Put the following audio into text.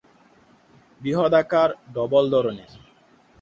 বৃহদাকার ডবল ধরনের।